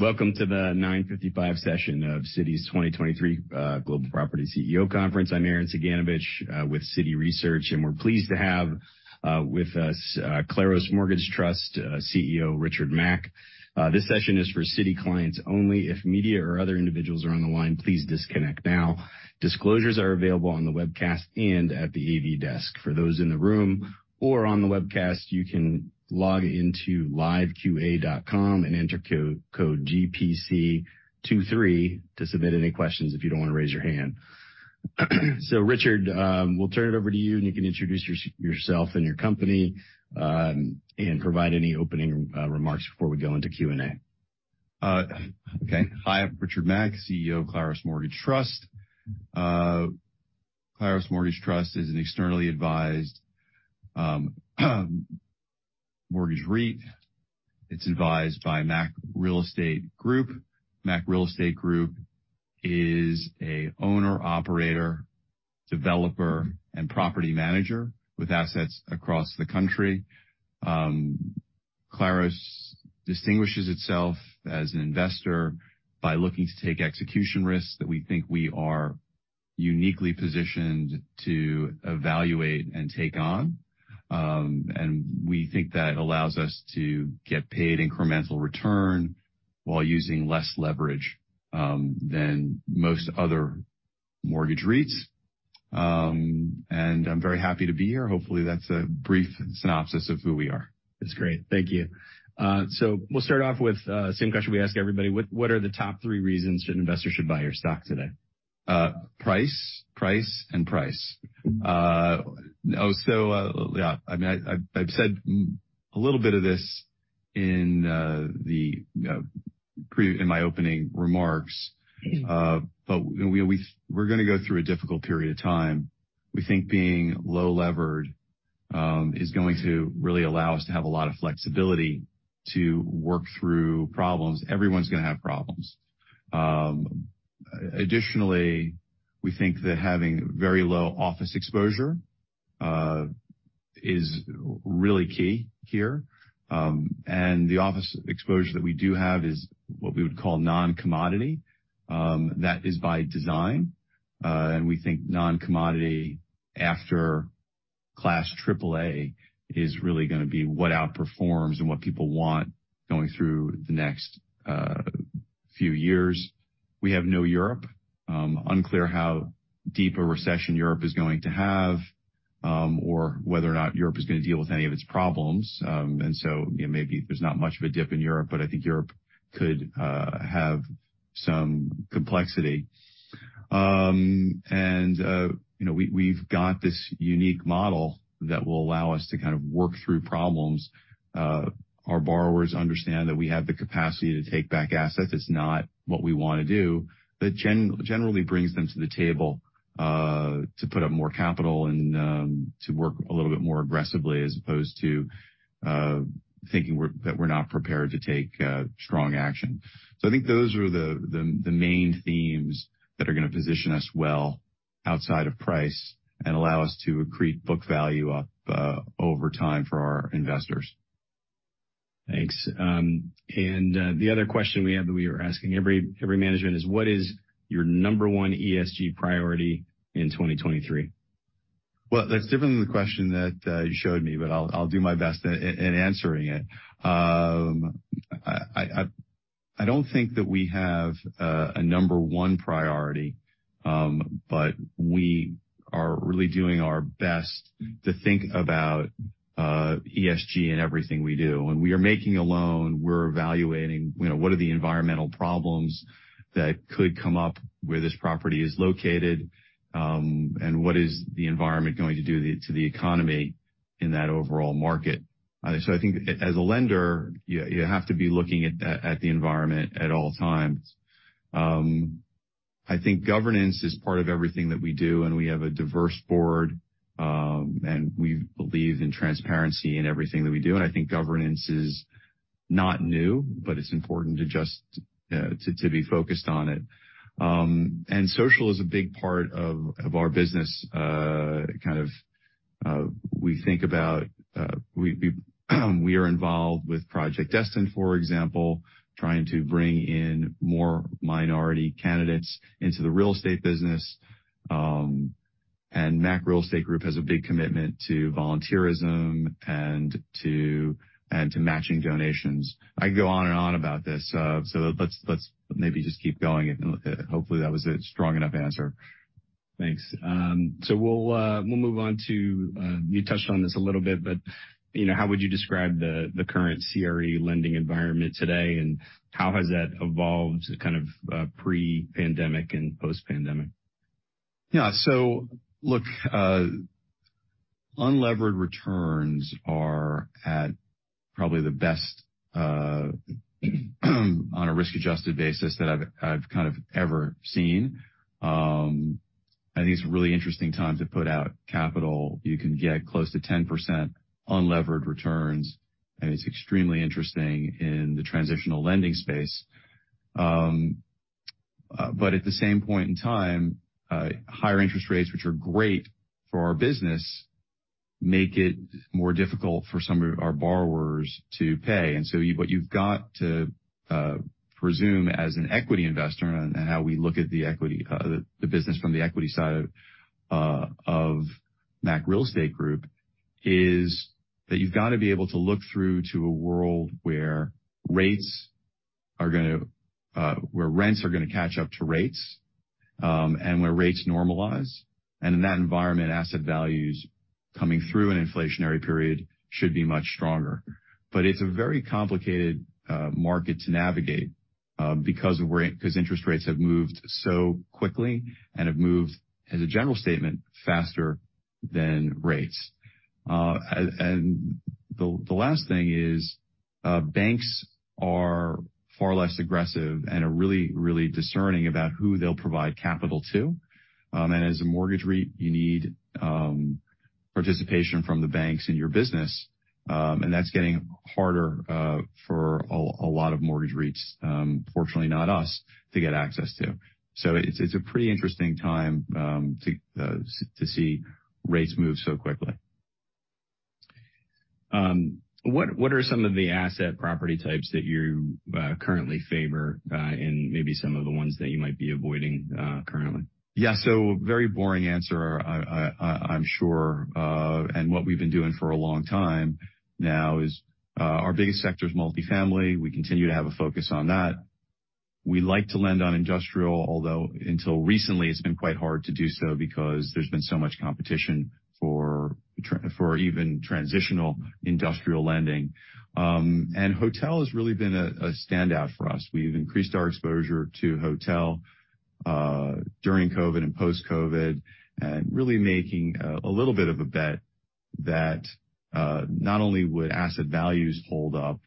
Welcome to the 9:55 session of Citi's 2023 Global Property CEO Conference. I'm Nick Joseph with Citi Research, and we're pleased to have with us Claros Mortgage Trust CEO, Richard Mack. This session is for Citi clients only. If media or other individuals are on the line, please disconnect now. Disclosures are available on the webcast and at the AV desk. For those in the room or on the webcast, you can log into LiveQA.com and enter code GPC23 to submit any questions if you don't wanna raise your hand. Richard, we'll turn it over to you, and you can introduce yourself and your company, and provide any opening remarks before we go into Q&A. Okay. Hi, I'm Richard Mack, CEO of Claros Mortgage Trust. Claros Mortgage Trust is an externally advised mortgage REIT. It's advised by Mack Real Estate Group. Mack Real Estate Group is a owner/operator, developer, and property manager with assets across the country. Claros distinguishes itself as an investor by looking to take execution risks that we think we are uniquely positioned to evaluate and take on. We think that allows us to get paid incremental return while using less leverage than most other mortgage REITs. I'm very happy to be here. Hopefully, that's a brief synopsis of who we are. That's great. Thank you. We'll start off with same question we ask everybody. What are the top three reasons an investor should buy your stock today? Price, price, and price. Oh, so, yeah. I mean, I've said a little bit of this in my opening remarks. We're gonna go through a difficult period of time. We think being low levered is going to really allow us to have a lot of flexibility to work through problems. Everyone's gonna have problems. Additionally, we think that having very low office exposure is really key here. The office exposure that we do have is what we would call non-commodity. That is by design. We think non-commodity after Class AAA is really gonna be what outperforms and what people want going through the next few years. We have no Europe. Unclear how deep a recession Europe is going to have, or whether or not Europe is gonna deal with any of its problems. You know, maybe there's not much of a dip in Europe, but I think Europe could have some complexity. You know, we've got this unique model that will allow us to kind of work through problems. Our borrowers understand that we have the capacity to take back assets. It's not what we wanna do. That generally brings them to the table to put up more capital and to work a little bit more aggressively as opposed to thinking that we're not prepared to take strong action. I think those are the main themes that are gonna position us well outside of price and allow us to accrete book value up over time for our investors. Thanks. The other question we have that we are asking every management is what is your number one ESG priority in 2023? That's definitely the question that you showed me, but I'll do my best at answering it. I don't think that we have a number one priority, but we are really doing our best to think about ESG in everything we do. When we are making a loan, we're evaluating, you know, what are the environmental problems that could come up where this property is located, and what is the environment going to do to the economy in that overall market. I think as a lender, you have to be looking at the environment at all times. I think governance is part of everything that we do, and we have a diverse board, and we believe in transparency in everything that we do. I think governance is not new, but it's important to just to be focused on it. Social is a big part of our business. Kind of, we think about, we are involved with Project Destined, for example, trying to bring in more minority candidates into the real estate business. Mack Real Estate Group has a big commitment to volunteerism and to matching donations. I can go on and on about this. Let's maybe just keep going, and hopefully that was a strong enough answer. Thanks. We'll move on to, you touched on this a little bit, but, you know, how would you describe the current CRE lending environment today, and how has that evolved kind of pre-pandemic and post-pandemic? Look, unlevered returns are at probably the best on a risk-adjusted basis that I've kind of ever seen. I think it's a really interesting time to put out capital. You can get close to 10% unlevered returns, and it's extremely interesting in the transitional lending space. But at the same point in time, higher interest rates, which are great for our business, make it more difficult for some of our borrowers to pay. What you've got to presume as an equity investor and how we look at the equity, the business from the equity side of Mack Real Estate Group, is that you've got to be able to look through to a world where rates are gonna, where rents are gonna catch up to rates, and where rates normalize. In that environment, asset values coming through an inflationary period should be much stronger. It's a very complicated market to navigate because interest rates have moved so quickly and have moved, as a general statement, faster than rates. And the last thing is, banks are far less aggressive and are really, really discerning about who they'll provide capital to. And as a mortgage REIT, you need participation from the banks in your business, and that's getting harder for a lot of mortgage REITs, fortunately not us, to get access to. It's a pretty interesting time to see rates move so quickly. What are some of the asset property types that you currently favor, and maybe some of the ones that you might be avoiding, currently? Very boring answer, I'm sure, and what we've been doing for a long time now is, our biggest sector is multifamily. We continue to have a focus on that. We like to lend on industrial, although until recently, it's been quite hard to do so because there's been so much competition for even transitional industrial lending. Hotel has really been a standout for us. We've increased our exposure to hotel during COVID and post-COVID, and really making a little bit of a bet that not only would asset values hold up,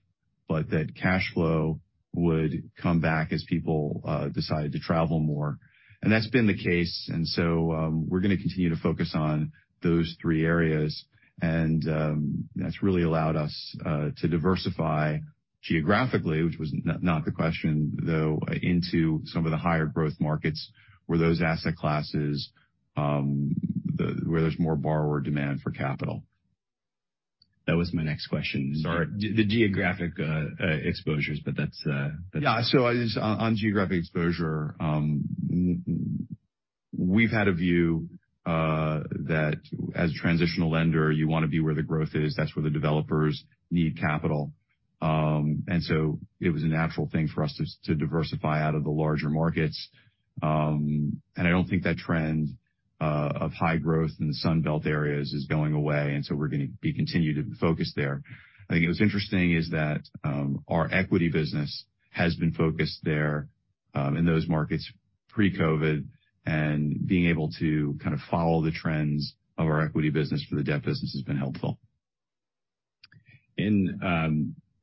but that cash flow would come back as people decided to travel more. That's been the case. We're gonna continue to focus on those three areas. That's really allowed us to diversify geographically, which was not the question, though, into some of the higher growth markets where those asset classes, where there's more borrower demand for capital. That was my next question. Sorry. The geographic exposures, but that's fine. Yeah. On geographic exposure, we've had a view that as a transitional lender, you wanna be where the growth is. That's where the developers need capital. It was a natural thing for us to diversify out of the larger markets. I don't think that trend of high growth in the Sun Belt areas is going away, and so we're gonna be continued to focus there. I think what's interesting is that our equity business has been focused there, in those markets pre-COVID, and being able to kind of follow the trends of our equity business for the debt business has been helpful.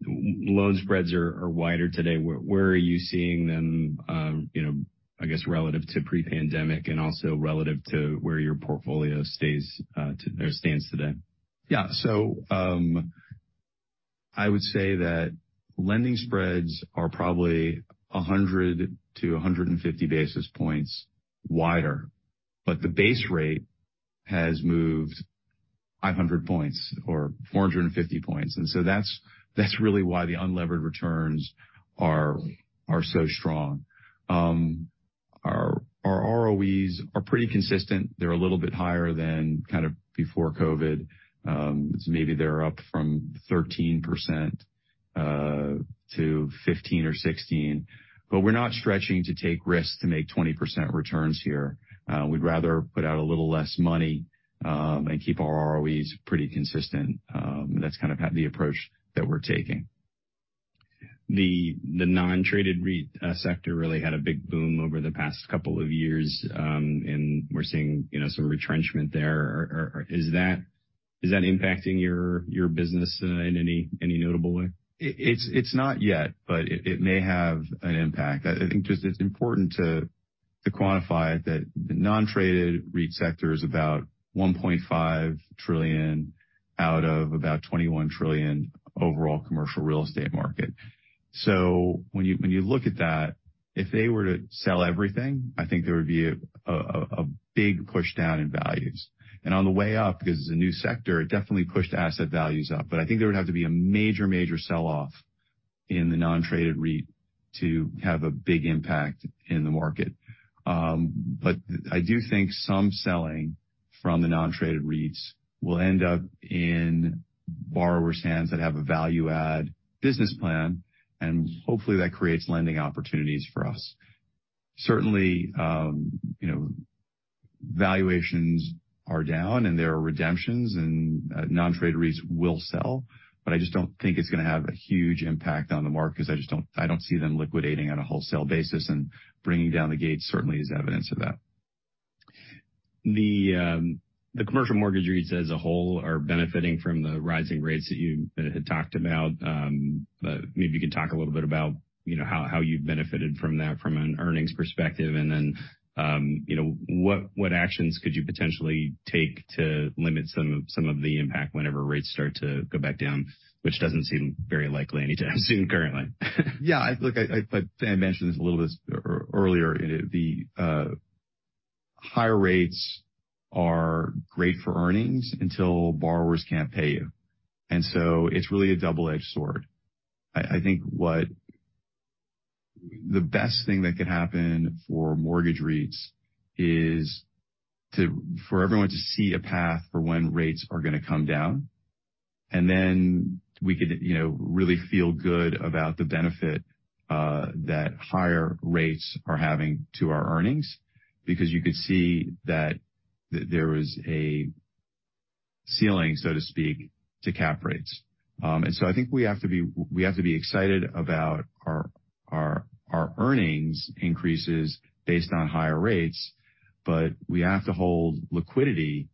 Loan spreads are wider today. Where are you seeing them, you know, I guess, relative to pre-pandemic and also relative to where your portfolio stands today? Yeah. I would say that lending spreads are probably 100-150 basis points wider, but the base rate has moved 500 points or 450 points. That's really why the unlevered returns are so strong. Our ROEs are pretty consistent. They're a little bit higher than kind of before COVID. Maybe they're up from 13%-5% or 16%. We're not stretching to take risks to make 20% returns here. We'd rather put out a little less money and keep our ROEs pretty consistent. That's kind of the approach that we're taking. The non-traded REIT sector really had a big boom over the past couple of years. We're seeing, you know, some retrenchment there. Is that impacting your business, in any notable way? It's not yet, but it may have an impact. I think it's important to quantify that the non-traded REIT sector is about $1.5 trillion out of about $21 trillion overall commercial real estate market. When you look at that, if they were to sell everything, I think there would be a big push down in values. On the way up, because it's a new sector, it definitely pushed asset values up. I think there would have to be a major sell-off in the non-traded REIT to have a big impact in the market. I do think some selling from the non-traded REITs will end up in borrowers' hands that have a value-add business plan, and hopefully that creates lending opportunities for us. Certainly, you know, valuations are down and there are redemptions and non-traded REITs will sell, but I just don't think it's gonna have a huge impact on the market 'cause I don't see them liquidating on a wholesale basis and bringing down the gate certainly is evidence of that. The, the commercial mortgage REITs as a whole are benefiting from the rising rates that you had talked about. Maybe you could talk a little bit about, you know, how you've benefited from that from an earnings perspective, and then, you know, what actions could you potentially take to limit some of the impact whenever rates start to go back down, which doesn't seem very likely anytime soon currently. Yeah. Look, I mentioned this a little bit earlier. Higher rates are great for earnings until borrowers can't pay you. It's really a double-edged sword. I think what the best thing that could happen for mortgage REITs is for everyone to see a path for when rates are gonna come down, and then we could, you know, really feel good about the benefit that higher rates are having to our earnings because you could see that there was a ceiling, so to speak, to cap rates. I think we have to be excited about our earnings increases based on higher rates, but we have to hold liquidity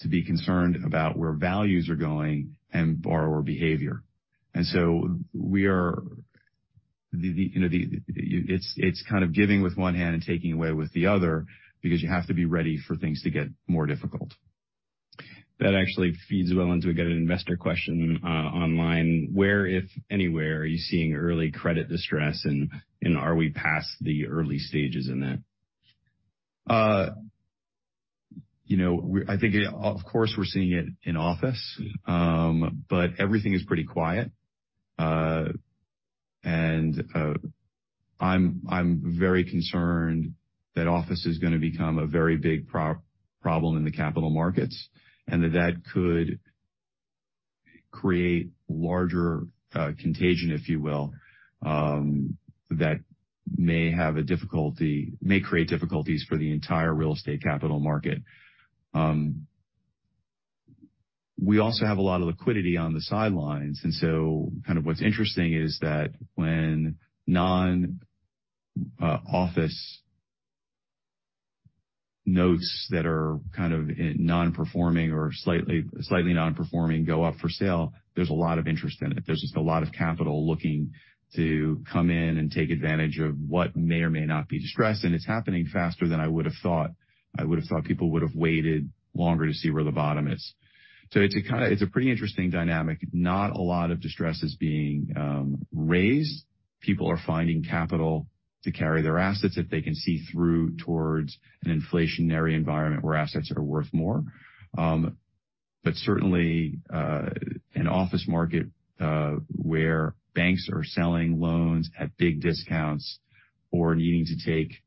to be concerned about where values are going and borrower behavior. It's kind of giving with one hand and taking away with the other because you have to be ready for things to get more difficult. That actually feeds well into we got an investor question online. Where, if anywhere, are you seeing early credit distress? Are we past the early stages in that? you know, I think, of course, we're seeing it in office, but everything is pretty quiet. I'm very concerned that office is gonna become a very big problem in the capital markets, and that that could create larger contagion, if you will, that may create difficulties for the entire real estate capital market. We also have a lot of liquidity on the sidelines, kind of what's interesting is that when non office notes that are kind of non-performing or slightly non-performing go up for sale, there's a lot of interest in it. There's just a lot of capital looking to come in and take advantage of what may or may not be distressed, and it's happening faster than I would have thought. I would have thought people would have waited longer to see where the bottom is. It's a pretty interesting dynamic. Not a lot of distress is being raised. People are finding capital to carry their assets if they can see through towards an inflationary environment where assets are worth more. Certainly, an office market, where banks are selling loans at big discounts or needing to take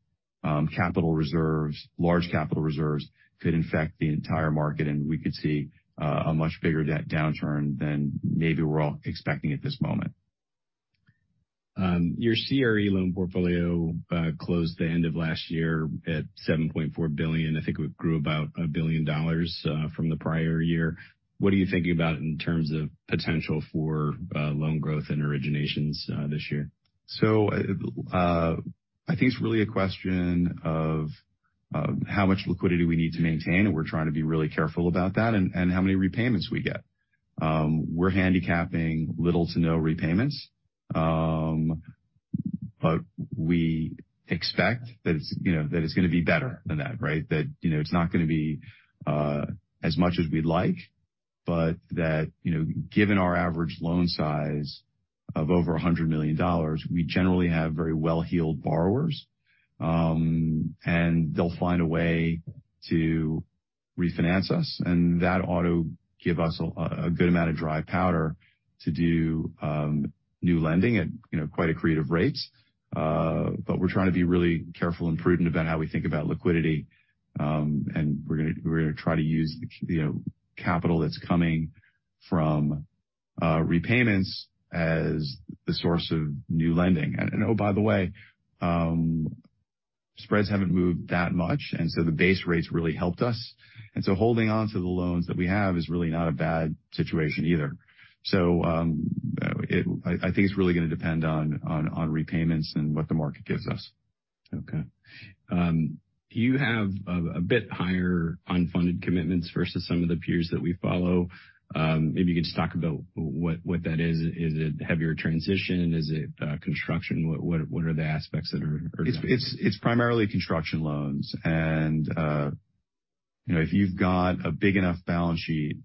capital reserves, large capital reserves could infect the entire market, and we could see a much bigger debt downturn than maybe we're all expecting at this moment. Your CRE loan portfolio closed the end of last year at $7.4 billion. I think it grew about $1 billion from the prior year. What are you thinking about in terms of potential for loan growth and originations this year? I think it's really a question of how much liquidity we need to maintain, and we're trying to be really careful about that, and how many repayments we get. We're handicapping little to no repayments, but we expect that it's, you know, that it's gonna be better than that, right? That, you know, it's not gonna be as much as we'd like, but that, you know, given our average loan size of over $100 million, we generally have very well-heeled borrowers, and they'll find a way to refinance us, and that ought to give us a good amount of dry powder to do new lending at, you know, quite accretive rates. But we're trying to be really careful and prudent about how we think about liquidity, and we're gonna try to use the capital that's coming from repayments as the source of new lending. Oh, by the way, spreads haven't moved that much, and so the base rates really helped us. Holding onto the loans that we have is really not a bad situation either. I think it's really gonna depend on repayments and what the market gives us. Okay. You have a bit higher unfunded commitments versus some of the peers that we follow. Maybe you can just talk about what that is. Is it heavier transition? Is it construction? What, what are the aspects that are? It's primarily construction loans. You know, if you've got a big enough balance sheet,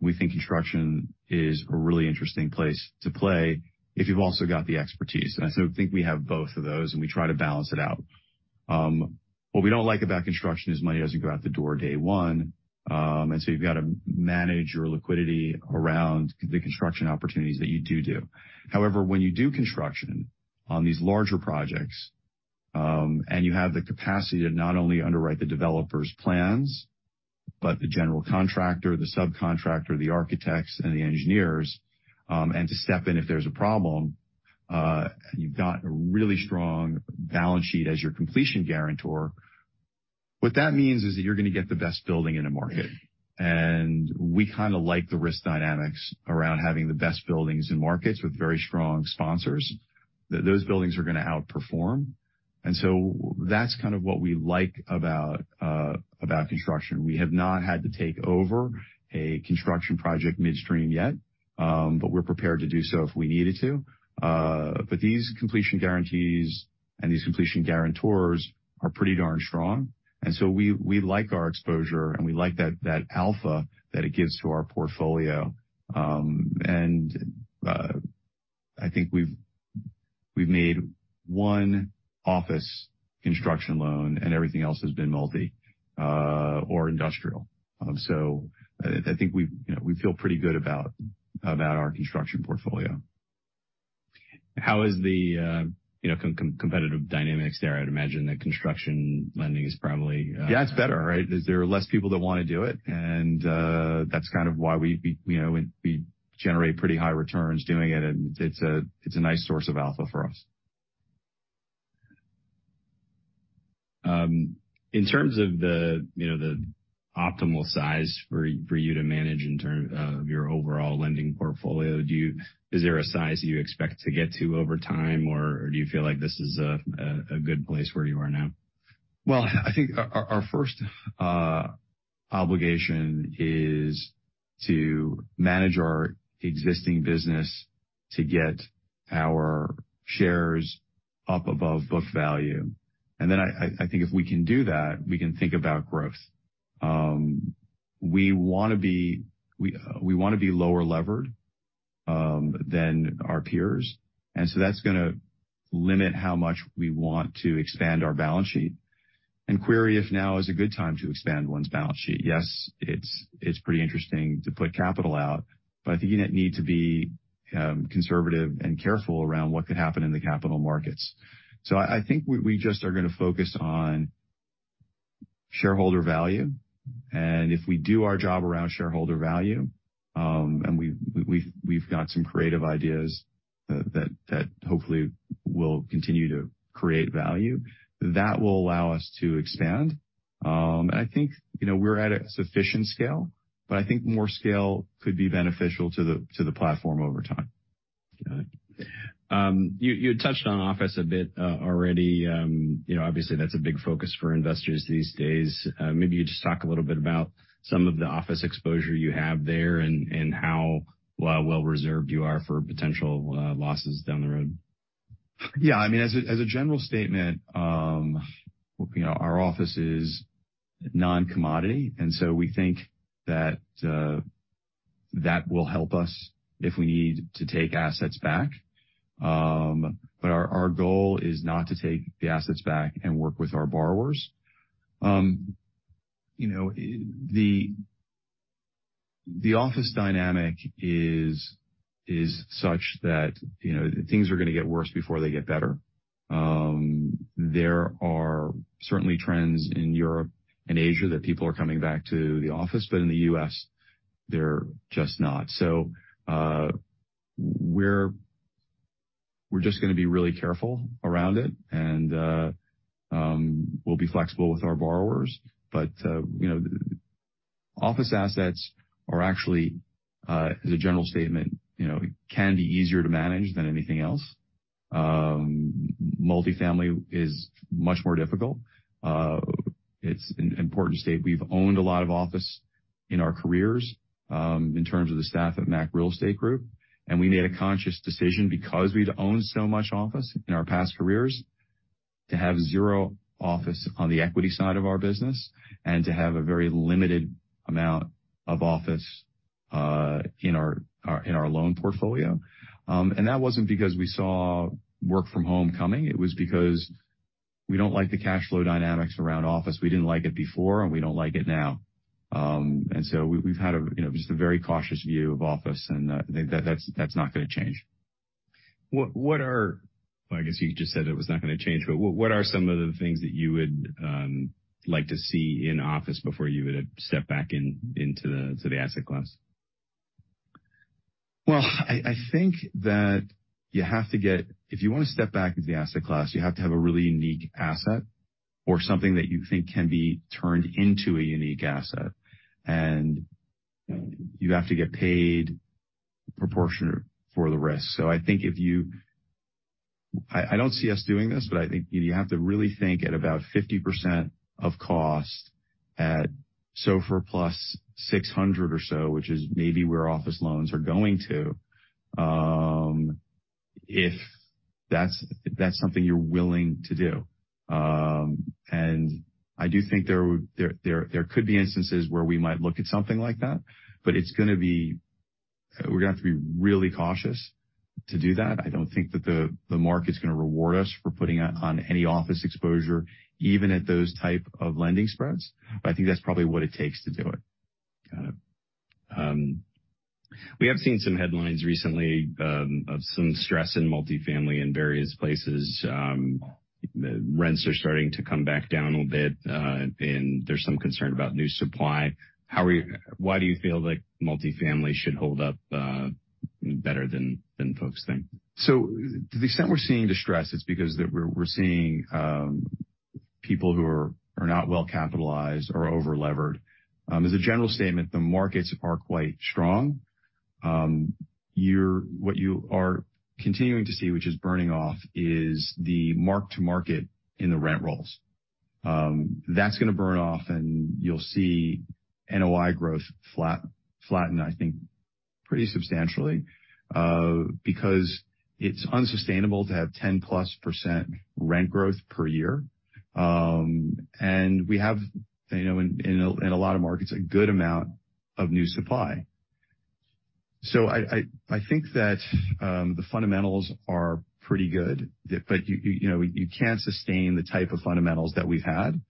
we think construction is a really interesting place to play if you've also got the expertise. I so think we have both of those, and we try to balance it out. What we don't like about construction is money doesn't go out the door day one. You've got to manage your liquidity around the construction opportunities that you do do. When you do construction on these larger projects, and you have the capacity to not only underwrite the developer's plans, but the general contractor, the subcontractor, the architects and the engineers, and to step in if there's a problem, and you've got a really strong balance sheet as your completion guarantor, what that means is that you're gonna get the best building in the market. We kinda like the risk dynamics around having the best buildings in markets with very strong sponsors. Those buildings are gonna outperform. That's kind of what we like about construction. We have not had to take over a construction project midstream yet, but we're prepared to do so if we needed to. But these completion guarantees and these completion guarantors are pretty darn strong. we like our exposure, and we like that alpha that it gives to our portfolio. I think we've made one office construction loan, and everything else has been multi or industrial. I think we, you know, we feel pretty good about our construction portfolio. How is the, you know, competitive dynamics there? I'd imagine that construction lending is probably. Yeah, it's better, right? There's less people that wanna do it. That's kind of why we, you know, we generate pretty high returns doing it. It's a, it's a nice source of alpha for us. In terms of the, you know, the optimal size for you to manage in terms of your overall lending portfolio, is there a size you expect to get to over time? Do you feel like this is a good place where you are now? Well, I think our first obligation is to manage our existing business to get our shares up above book value. I think if we can do that, we can think about growth. We wanna be lower levered than our peers. That's gonna limit how much we want to expand our balance sheet. Query if now is a good time to expand one's balance sheet. Yes, it's pretty interesting to put capital out, but I think you need to be conservative and careful around what could happen in the capital markets. I think we just are gonna focus on shareholder value. If we do our job around shareholder value, and we've got some creative ideas that hopefully will continue to create value, that will allow us to expand. I think, you know, we're at a sufficient scale, but I think more scale could be beneficial to the platform over time. Got it. You had touched on office a bit, already. You know, obviously that's a big focus for investors these days. Maybe you just talk a little bit about some of the office exposure you have there and how well reserved you are for potential losses down the road? Yeah. I mean, as a general statement, you know, our office is non-commodity. We think that will help us if we need to take assets back. Our goal is not to take the assets back and work with our borrowers. You know, the office dynamic is such that, you know, things are gonna get worse before they get better. There are certainly trends in Europe and Asia that people are coming back to the office, but in the U.S., they're just not. We're just gonna be really careful around it, and we'll be flexible with our borrowers. You know, office assets are actually, as a general statement, you know, can be easier to manage than anything else. Multifamily is much more difficult. It's important to state we've owned a lot of office in our careers, in terms of the staff at Mack Real Estate Group, we made a conscious decision because we'd owned so much office in our past careers to have zero office on the equity side of our business and to have a very limited amount of office, in our, in our loan portfolio. That wasn't because we saw work from home coming. It was because we don't like the cash flow dynamics around office. We didn't like it before, and we don't like it now. We've had a, you know, just a very cautious view of office, and that's not gonna change. What are I guess you just said it was not gonna change, but what are some of the things that you would like to see in office before you would have stepped back in into the asset class? I think that you have to get... If you wanna step back into the asset class, you have to have a really unique asset or something that you think can be turned into a unique asset, and you have to get paid proportionate for the risk. I think I don't see us doing this, I think you have to really think at about 50% of cost at SOFR plus 600 or so, which is maybe where office loans are going to, if that's something you're willing to do. I do think there would, there could be instances where we might look at something like that, we're gonna have to be really cautious to do that. I don't think that the market's going to reward us for putting on any office exposure, even at those types of lending spreads. I think that's probably what it takes to do it. Got it. We have seen some headlines recently, of some stress in multifamily in various places. The rents are starting to come back down a little bit, and there's some concern about new supply. Why do you feel like multifamily should hold up better than folks think? To the extent we're seeing distress, it's because we're seeing people who are not well capitalized or over-levered. As a general statement, the markets are quite strong. What you are continuing to see, which is burning off, is the mark to market in the rent rolls. That's gonna burn off, and you'll see NOI growth flatten, I think, pretty substantially, because it's unsustainable to have 10%+ rent growth per year. We have, you know, in a lot of markets, a good amount of new supply. I think that the fundamentals are pretty good. You know, you can't sustain the type of fundamentals that we've had,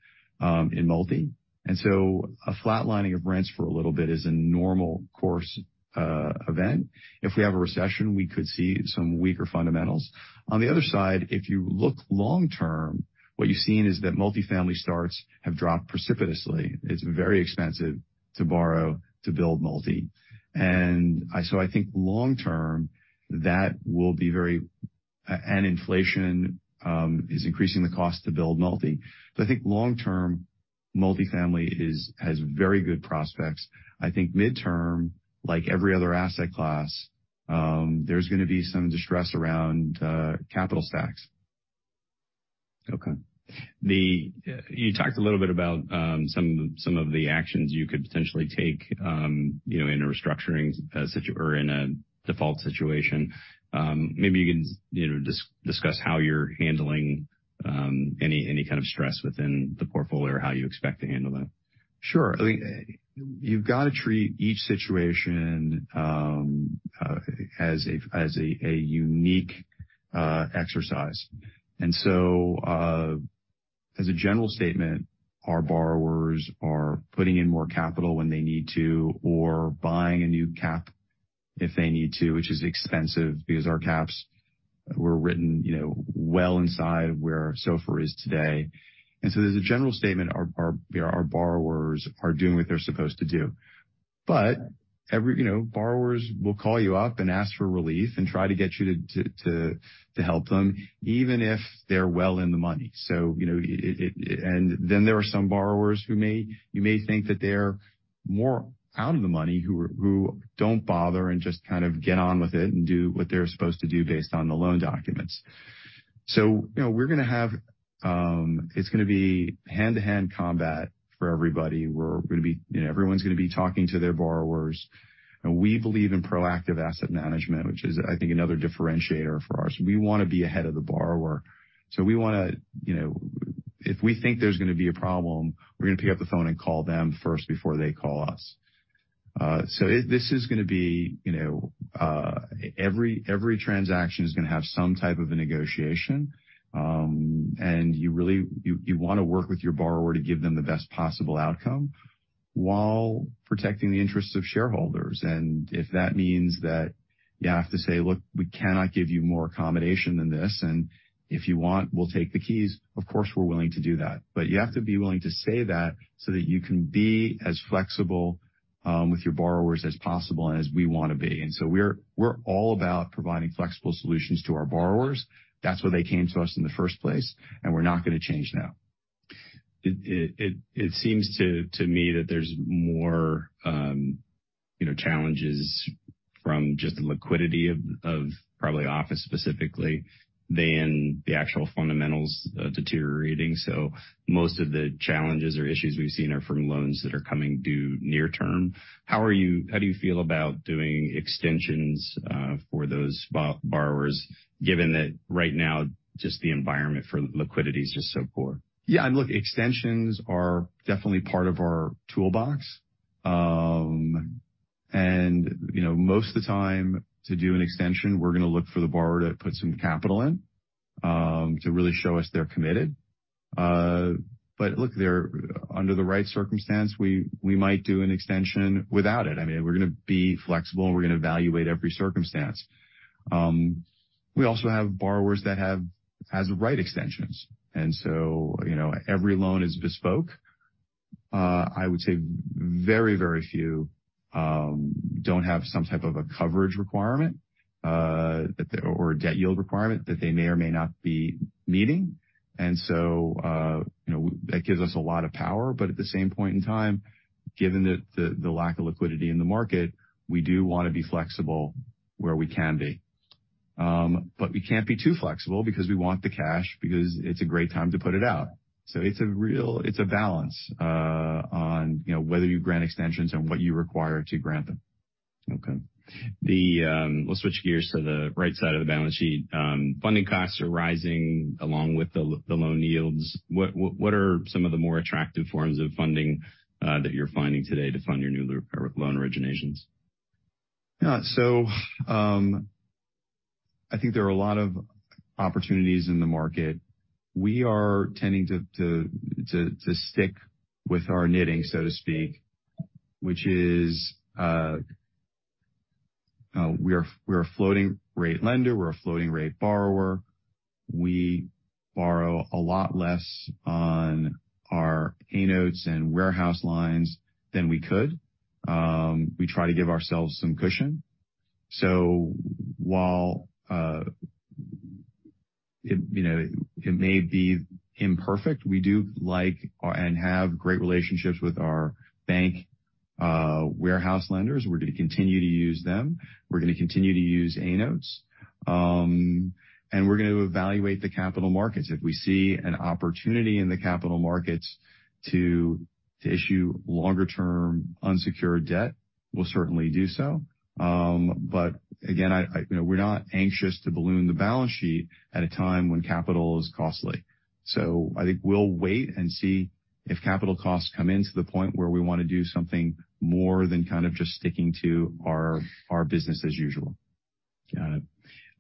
in multi. A flat lining of rents for a little bit is a normal course event. If we have a recession, we could see some weaker fundamentals. On the other side, if you look long term, what you've seen is that multifamily starts have dropped precipitously. It's very expensive to borrow to build multi. I think long term, that will be and inflation is increasing the cost to build multi. I think long term, multifamily is, has very good prospects. I think midterm, like every other asset class, there's gonna be some distress around capital stacks. Okay. The, you talked a little bit about, some of the actions you could potentially take, you know, in a restructuring or in a default situation. Maybe you can, you know, discuss how you're handling, any kind of stress within the portfolio or how you expect to handle that. Sure. You've gotta treat each situation as a unique exercise. As a general statement, our borrowers are putting in more capital when they need to or buying a new cap if they need to, which is expensive because our caps were written, you know, well inside where SOFR is today. As a general statement, our borrowers are doing what they're supposed to do. Every, you know, borrowers will call you up and ask for relief and try to get you to help them even if they're well in the money. You know, it and then there are some borrowers who may, you may think that they're more out of the money, who don't bother and just kind of get on with it and do what they're supposed to do based on the loan documents. You know, we're gonna have, it's gonna be hand-to-hand combat for everybody. We're gonna be, you know, everyone's gonna be talking to their borrowers. We believe in proactive asset management, which is, I think, another differentiator for ours. We wanna be ahead of the borrower. We wanna, you know, if we think there's gonna be a problem, we're gonna pick up the phone and call them first before they call us. This is gonna be, you know, every transaction is gonna have some type of a negotiation. You really, you wanna work with your borrower to give them the best possible outcome while protecting the interests of shareholders. If that means that you have to say, "Look, we cannot give you more accommodation than this, and if you want, we'll take the keys," of course, we're willing to do that. You have to be willing to say that so that you can be as flexible with your borrowers as possible and as we wanna be. We're, we're all about providing flexible solutions to our borrowers. That's why they came to us in the first place, and we're not gonna change now. It seems to me that there's more, you know, challenges from just the liquidity of probably office specifically than the actual fundamentals deteriorating. Most of the challenges or issues we've seen are from loans that are coming due near term. How do you feel about doing extensions for those borrowers, given that right now, just the environment for liquidity is just so poor? Yeah. Look, extensions are definitely part of our toolbox. You know, most of the time to do an extension, we're gonna look for the borrower to put some capital in, to really show us they're committed. Look, they're under the right circumstance, we might do an extension without it. I mean, we're gonna be flexible, and we're gonna evaluate every circumstance. We also have borrowers that have as right extensions. You know, every loan is bespoke. I would say very, very few don't have some type of a coverage requirement, or debt yield requirement that they may or may not be meeting. You know, that gives us a lot of power. At the same point in time, given the lack of liquidity in the market, we do wanna be flexible where we can be. We can't be too flexible because we want the cash because it's a great time to put it out. It's a real balance, on, you know, whether you grant extensions and what you require to grant them. Okay. We'll switch gears to the right side of the balance sheet. Funding costs are rising along with the loan yields. What are some of the more attractive forms of funding that you're finding today to fund your new loan originations? I think there are a lot of opportunities in the market. We are tending to stick with our knitting, so to speak, which is, we're a floating rate lender, we're a floating rate borrower. We borrow a lot less on our A notes and warehouse lines than we could. We try to give ourselves some cushion. While, you know, it may be imperfect, we do like and have great relationships with our bank warehouse lenders. We're gonna continue to use them. We're gonna continue to use A notes. We're gonna evaluate the capital markets. If we see an opportunity in the capital markets to issue longer-term unsecured debt, we'll certainly do so. Again, I, you know, we're not anxious to balloon the balance sheet at a time when capital is costly. I think we'll wait and see if capital costs come in to the point where we wanna do something more than kind of just sticking to our business as usual. Got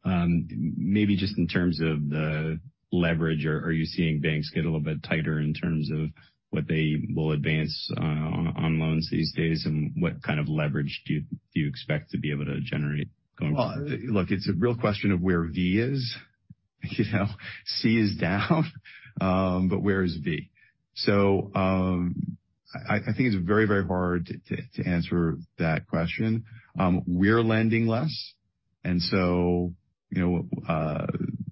it. Maybe just in terms of the leverage, are you seeing banks get a little bit tighter in terms of what they will advance on loans these days? What kind of leverage do you expect to be able to generate going forward? Well, look, it's a real question of where V is. You know, C is down, but where is V? I think it's very, very hard to answer that question. We're lending less, and so, you know,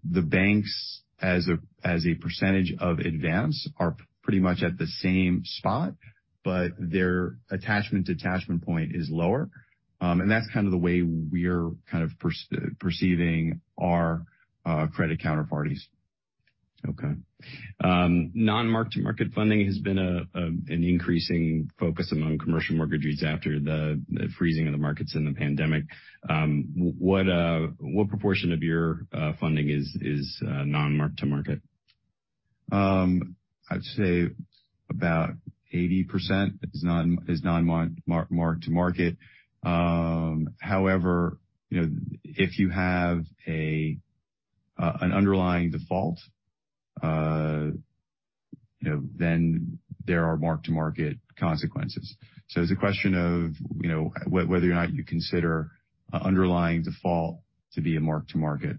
the banks as a percentage of advance are pretty much at the same spot, but their attachment to attachment point is lower. That's kind of the way we're kind of perceiving our credit counterparties. Non-mark-to-market funding has been an increasing focus among commercial mortgage REITs after the freezing of the markets in the pandemic. What proportion of your funding is non-mark-to-market? I'd say about 80% is non-mark-to-market. However, you know, if you have an underlying default, you know, then there are mark-to-market consequences. It's a question of, you know, whether or not you consider an underlying default to be a mark-to-market,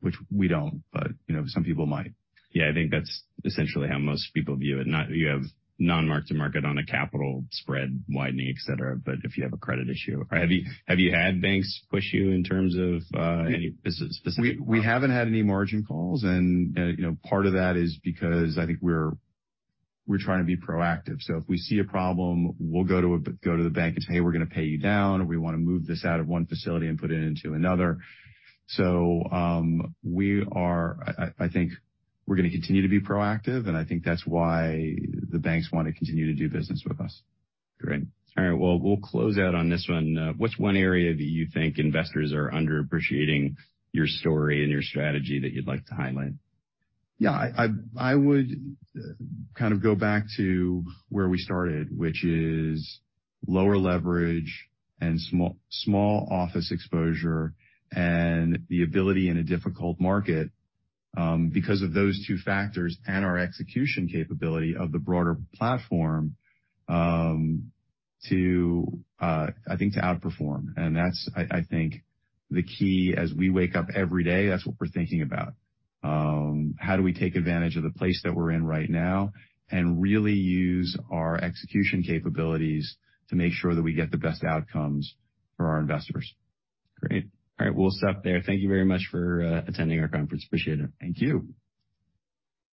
which we don't, but, you know, some people might. Yeah, I think that's essentially how most people view it. Not that you have non-mark-to-market on a capital spread widening, et cetera, but if you have a credit issue. Have you had banks push you in terms of any specific product? We haven't had any margin calls and, you know, part of that is because I think we're trying to be proactive. If we see a problem, we'll go to the bank and say, "Hey, we're gonna pay you down," or, "We wanna move this out of one facility and put it into another." I think we're gonna continue to be proactive, and I think that's why the banks wanna continue to do business with us. Great. All right. Well, we'll close out on this one. What's one area that you think investors are underappreciating your story and your strategy that you'd like to highlight? Yeah, I would kind of go back to where we started, which is lower leverage and small office exposure and the ability in a difficult market, because of those two factors and our execution capability of the broader platform, to, I think to outperform. That's, I think, the key as we wake up every day, that's what we're thinking about. How do we take advantage of the place that we're in right now and really use our execution capabilities to make sure that we get the best outcomes for our investors. Great. All right, we'll stop there. Thank you very much for attending our conference. Appreciate it. Thank you.